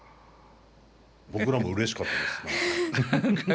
僕らもうれしかったです何か。